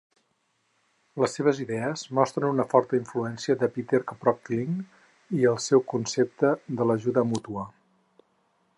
Les seves idees mostren una forta influència de Peter Kropotkin i el seu concepte de l'ajuda mútua.